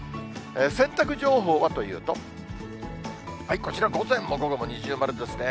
洗濯情報はというと、こちら、午前も午後も二重丸ですね。